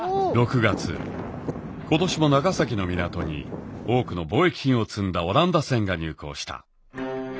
６月今年も長崎の港に多くの貿易品を積んだオランダ船が入港した。